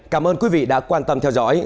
cảm ơn quý vị đã quan tâm theo dõi